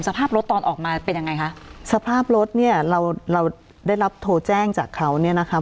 สภาพรถตอนออกมาเป็นยังไงคะสภาพรถเนี่ยเราเราได้รับโทรแจ้งจากเขาเนี่ยนะคะ